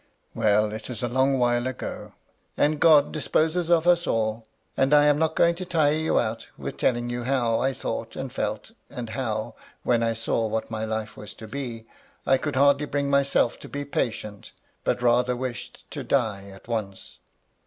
Well^ it is a long while ago, and God disposes of us all, and I am not going to tire you out with telling you how I thought and felt, and how, when I saw what my life was to be, I could hardly bring myself to be patient, but rather wished to die at once.